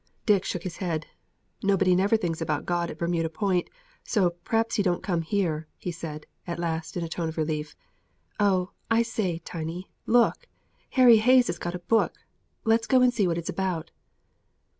Dick shook his head. "Nobody never thinks about God at Bermuda Point, so p'r'aps He don't come here," he said, at last, in a tone of relief. "Oh, I say, Tiny, look! Harry Hayes has got a book! Let's go and see what it's about!"